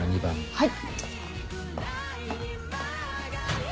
はい。